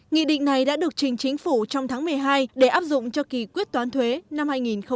nghị định này đã được trình chính phủ trong tháng một mươi hai để áp dụng cho kỳ quyết toán thuế năm hai nghìn một mươi chín